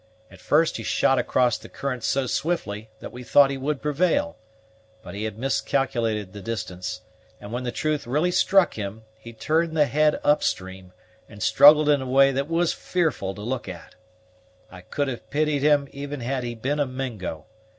At first he shot across the current so swiftly, that we thought he would prevail; but he had miscalculated his distance, and when the truth really struck him, he turned the head upstream, and struggled in a way that was fearful to look at. I could have pitied him even had he been a Mingo.